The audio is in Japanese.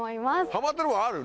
ハマってることある？